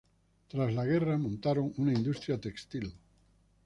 Tras la guerra montaron una industria textil.